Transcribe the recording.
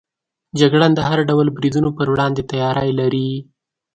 جګړن د هر ډول بریدونو پر وړاندې تیاری لري.